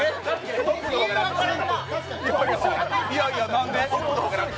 何で？